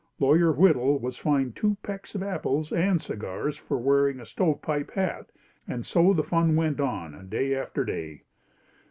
Lawyer Whittle was fined two pecks of apples and cigars for wearing a stovepipe hat and so the fun went on, day after day.